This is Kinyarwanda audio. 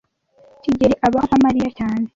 kigeli abaho nka Mariya cyane.